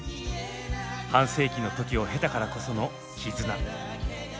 半世紀の時を経たからこその「絆」。